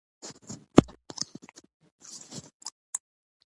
دوی د کاندیدانو پر شاوخوا د ګټو د ساتنې لپاره جال وغوړاوه.